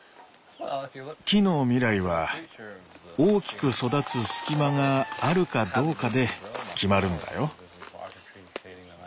木の未来は大きく育つ隙間があるかどうかで決まるんだよ。